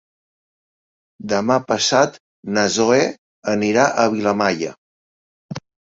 Demà passat na Zoè anirà a Vilamalla.